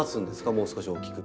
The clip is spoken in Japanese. もう少し大きく。